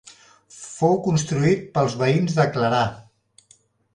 Fou construït pels veïns de Clarà.